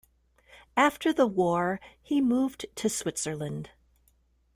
After the war, he moved to Switzerland.